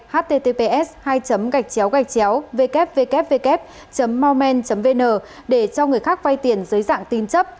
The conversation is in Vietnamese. https hai www mallman vn để cho người khác vay tiền dưới dạng tin chấp